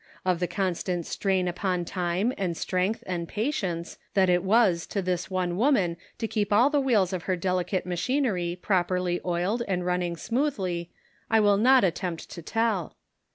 Of the constant strain upon time and strength and patience, that it was to this one woman to keep all the wheels of her delicate machinery properly oiled and running smoothly, I will not attempt to tell.